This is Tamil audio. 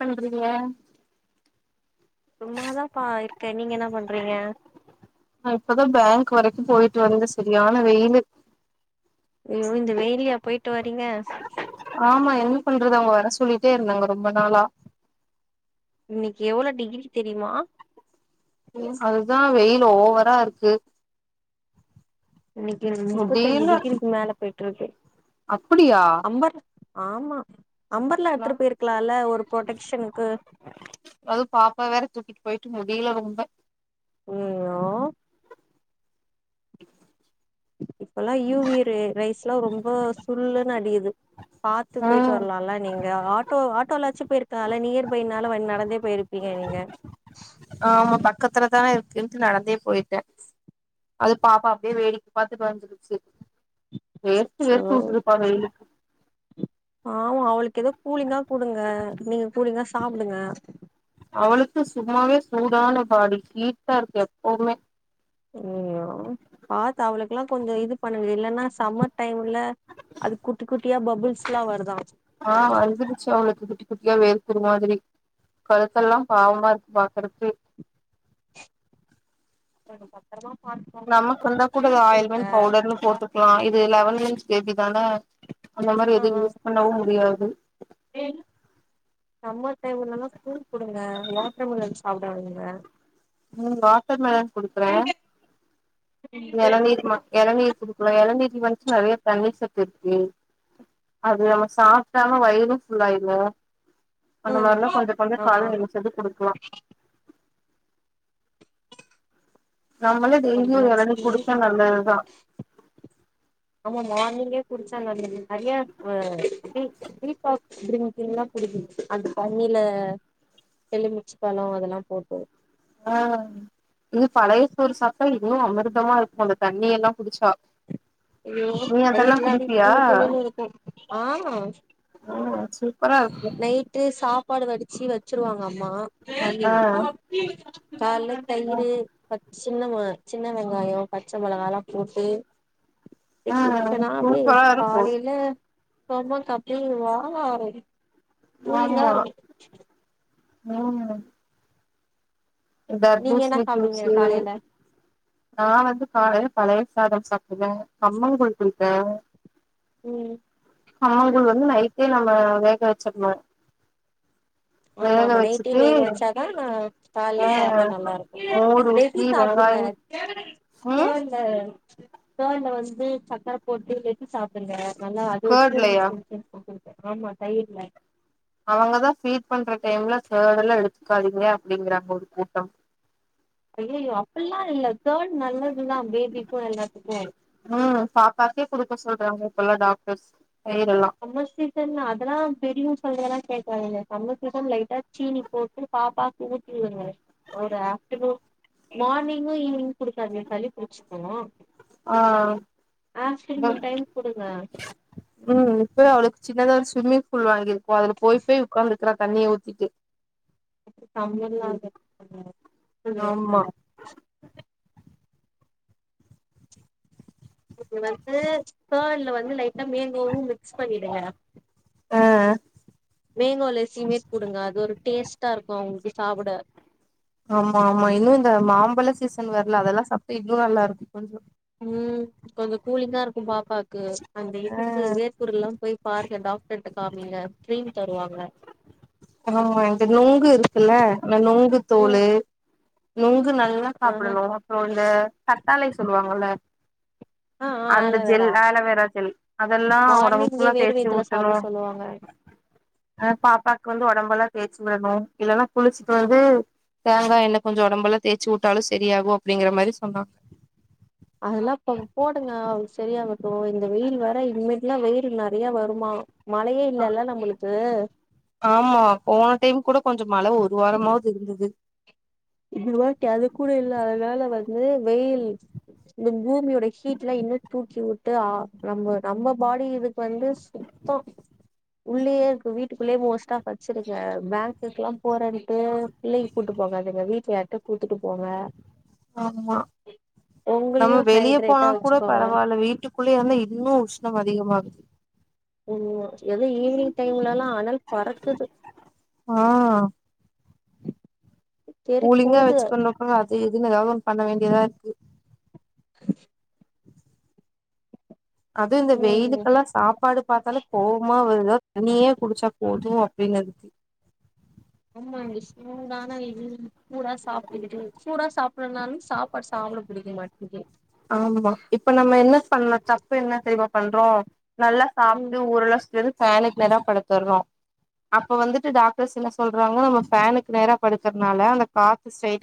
என்ன பண்ணுறீங்க சும்மாதா பா இருக்கே நீங்க என்ன பண்றீங்க நா இப்பதா பேங்க் வரைக்கு போயிட்டு வந்த சரியான வெயில் ஐயோ இந்த வெயிலயா போயிட்டு வரீங்க ஆமா என்ன பண்றது அவங்க வர சொல்லிட்டே இருந்தாங்க ரொம்ப நாளா இன்னைக்கி எவ்ளவு டிகிரி தெரியுமா அதுதா வெயில் ஓவரா இருக்கு இன்னைக்கி முப்பத் அஞ்சு முடியல டிகிரிக்கு மேல போயிட்டு இருக்கு அப்படியா அம்பர் ஆமா அம்பர்லா எடுத்துட்டு போயிருக்கலாம்ல்ல ஒரு ப்ரொடக்ஷனுக்கு அது பாப்பா வேற தூக்கிட்டு போயிட்டு முடியல ரொம்ப அய்யயோ [unintelligible] இப்ப எல்லா யூ வி ரே ஸ் எல்லா ரொம்ப சுல்லுன்னு அடிக்குது பாத்து போயிட்டு ம் வரலாம்ல நீங்க ஆட்டோ ஆட்டோலச்சு போயிருக்கல நீயர் பைனால வ நடந்தே போயிருப்பீங்க நீங்க பக்கத்துலதானே இருக்குன்ட்டு நடந்தே போயிட்ட அது பாப்பா அப்படியே வேடிக்க பாத்து வந்துருச்சு வெத்து சோ வெத்து ஊத்துப்பா வெயிலு ஆமா அவளுக்கு ஏதோ கூலிங்கா கூடுங்க நீங்க கூலிங்கா சாப்பிடுங்க அவளுக்கு சும்மாவே சூடான பாடி ஹீட்டா இருக்கு எப்பவுமே ஓ பாத்து அவக்கெல்லா கொஞ்ச இது பண்ணுங்க இல்லன்னா சம்மர் டைம்ல அது குட்டி குட்டியா பபுள்ஸ்ல்லா வருதா ஆ மேல வந்துருச்சு அவங்களுக் குட்டி குட்டியா வேறுக்குரு மாதிரி கழுத்தெல்லா பாவமா இருக்கு பாக்குறதுக்கே ம் அப்றோ நமக்கு வந்தா கூட ஆயில்மென்ட் பவுடர்னு போட்டுக்கலா இது லெவன் மந்த் பேபி தான அந்த மாதிரி ஆ இது யூஸ் ஆ பண்ணவு முடியாது சம்மர் டைம்லா ப்ரூட் கொடுங்க வாட்டர் மெலன் சாப்பிட விடுங்க உம் வாட்டர் மெலன் குடுக்குற இளநீர் இளநீர் குடுக்கலா இளநீர் வந்துச்சு நிறைய தண்ணிர் சத்து இருக் அது நம்ம சாப்ட்டாலு வயிறு ஃபுல்ல ஆயிரு அந்த ம் மாரிலா கொஞ்ச கொஞ்ச ஆமா காலைல எந்திச்சது கொடுக்கலா நம்மளே டெய்லியு ஒரு கொஞ்சமாச்சு இளநி குடிச்சா நல்லதுதா ஆமா மார்னிங்கே குடிச்சா நல்லது நறையா டீ டீடாக்ஸ் டிரிங்லா குடிக்கணு அந்த தண்ணில எலுமிச்ச பலோ அதெல்லா போட்டு ஆ இது பழைய சோர் சப்டா இன்னு அமிர்தமா இருக்கு அந்த தண்ணி எல்லா குடிச்சா ஐயோ நீ வயிறு அதெல்லா எல்லா அப்படி குடிப்பியா கூழு கூழுன்னு இருக்கு ஆ ஆ சூப்பரா இருக்கு சப்பாடு வடிச்சு வச்சிருவாங்க அம்மா ஆ [unintelligible] பப்பி காலைல தயிரூ ப சின்னமா சின்ன வெங்காயோ பச்ச மோளகலா போட்டு அப்டியே ஆ குடிச்சனா அப்டியே சூப்பரா இருக்கு காலைல ஒன் மோர் கப்பே வாவ் கூலிங்க ஆமா இருக்கு ம் நீங்க என்ன தர்பூஸ்சணி சாப்டுவீங்க ஜூசே காலைல நா வந்து காலைல பழைய சாதம் சாப்டுவே கம்பங் கூழ் குடிப்பே ம் சாதோ வந்து நைட்டே நம்ப வேக வச்சர்ணு ஆமா ஆமா நைட்டே வேக வெச்சாதா நா கால்ல ஆ சாப்ட நல்லா இருக்கு மோர் ரெடி ஊத்தி சா வெங்காயம் ம் தேன்ல தேன்ல வந்து சக்கர போட்டு சாப்டுங்க நல்லா அது கேர்ட்லயா [unintelligible] ஆமா தயிர்ல அவுங்கதா ஃபீட் பண்ற டைம்ல கர்ட் எல்லா எடுத்துக்காதீங்க அப்டிங்குறாங்க ஒரு கூட்டோ ஐயையோ அப்டில்லா இல்ல கர்ட் நல்லதுதா பேபிக்கு எல்லாத்துக்கு ம் பாப்பாக்கே குடுக்க சொல்றாங்க இப்பெல்லா டாக்டர்ஸ் தயிரெல்லா சம்மர் சீசன் அதலா தெரியூ அவுங்க சொல்றதை எல்லா கேட்காதீங்க சம்மர் சீசன் லைட்டா சீனி போட்டு பாப்பாக்கு ஊட்டிவிடுங்க ஒரு அ நூன் மார்னிங்கு ஈவினிங் குடுக்காதிங்க சலி புடிச்சுக்கு ஆ ம் ஆஃப்டர்நூன் டைம் குடுங்க இப்பதா அவளுக்கு சின்னதா ஒரு ஸ்விம்மிங் ஃபூல் வாங்கியிருக்குகோ அதுல போய் போய் உக்காந்துருக்கறா தண்ணிய ஊத்திட்டு தமிழ்லா [unintelligible] சொல்ல ஆமா சொல்ல நீங்க வந்து கர்ட்ல வந்து லைட்டா மேங்கோவு மிக்ஸ் பண்ணிடுங்க மேங்கோ லசிமே கூடுங்க அது ஒரு டேஸ்ட்டா இருக்கு அவுங்களுக்கு சாப்புட ஆமா ஆமா இன்னு இந்த மாம்பழ சீசன் வர்ல அதெல்லா சாப்டா இன்னு நல்லா இருக்கு கொஞ்சோ ம் கொஞ்சோ கூலிங்கா இருக்கு பாப்பாக்கு அந்த ஆ இதுக்கு வேற்கூர்ல்லா போய் பார் டாக்டர்ட்ட காமிங்க க்ரீம் தருவாங்க ஆ இந்த நொங்கு இருக்குல்ல நொங்கு ம் தோளு நொங்கு நல்லா ஆஹ சாப்டணு அப்ரோ இந்த கத்தாழை சொல்லுவாங்கல்ல ஆ ஆ அந்த ஜெல் ஆலோவேரா ஆலோவேரா ஜெல் அதெல்லா ஒடம்பு மார்னிங்கே ஃபுல்லா வேறு தேய்ச்சு வயித்துல சாப்ட ஊத்தனு சொல்லுவாங்க ஆ பாப்பாக்கு வந்து உடம்பெல்லா தேய்ச்சு விடணு இல்லனா குளிச்ட்டு வந்து தேங்கா எண்ணெ கொஞ்ச உடம்பு எல்லா தேய்ச்சு உட்டாலு சரியாகு அப்படிங்கிற மாரி சொன்னாங்க அதெல்லா இப்ப போடுங்க அவளுக்கு சரியாகட்டு இந்த வெயில் வேற இனிமேட்ல்லா வெயில் நறைய வருமா மழையே இல்லல்ல நம்ளுக்கு ஆமா போன டைம் கூட கொஞ்சோ மழ ஒரு வாரமாவது இருந்தது இந்த வாட்டி அது கூட இல்ல அதுனால வந்து வெயில் இந்த பூமியோட ஹீட்லா இன்னு தூக்கி விட்டு அ நம்ப நம்ப பாடி இதுக்கு வந்து சு த்தோ உள்ளயே இருக்கு வீட்டுக்குள்ளயே மோஸ்ட்டா படிச்சிருக்கே பேங்க்குக்குல்லா போறேன்ட்டு பிள்ளையக் கூட்டு போகாதிங்க வீட்ல யார்ட்ட கூட்துட்டு போங்க ஆம்மா உங்களையு நம்ம வெளிய ஹைட்ரேட்டா போனா கூட வச்சுக்கோங்க பரவால்ல வீட்டுக்குள்ளயே வந்து இன்னு உஷ்ணமா இருக் அதிகமா இருக் ம் எதோ ஈவினிங் டைம்லல்லா அனல் பறக்குது ஆ கூலிங்கா தெறிக்குடுது வச்சுகுன்னாக்கா அது இதுன்னு எதாவது ஒன்னு பண்ண வேண்டியதா இருக்கு அது இந்த ம் வெயிலுக்கெல்லா சாப்பாடு பாத்தாலே கோவமா வரு எதா தண்ணியே குடிச்சா போது அப்டின்னு இருக்கு ஆமா இங்க சூடான இது சூடா சாப்டுகிட்டு சூடா சாப் சாப்பன்னாலு சாப்பாடு சாப்பிட பிடிக்க மாட்டிங்குது ஆமா இப்ப நம்ம என்ன பண்லா தப்பு என்ன தெரியுமா பண்றோ நல்லா ம் சாப்ட்டு ஊர் எல்லா சுத்தி வந்து ஃபானுக்கு நேரா படுத்துர்றோ அப்ப வந்துட்டு டாக்டர்ஸ் என்ன சொல்றாங்கன்னா நம்ம ஃபானுக்கு நேரா படுக்கறனால அந்த காத்து ஸ்ட்ராயிட்டா